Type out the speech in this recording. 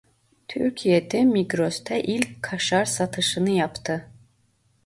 Türkiye'de Migros'ta ilk kaşar satışını yaptı.